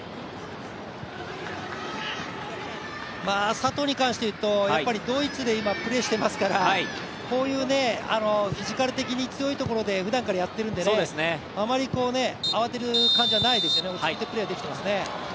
佐藤に関していうとドイツでプレーしていますからこういうフィジカル的に強いところでふだんからやっているので、あまり慌てる感じはないですね、落ち着いてプレーができていますね。